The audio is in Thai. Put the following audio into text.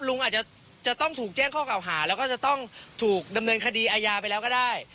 ลุงอาจจะต้องถูกแจ้งข้อเก่าหาแล้วก็จะต้องถูกดำเนินคดีอาญาไปแล้วก็ได้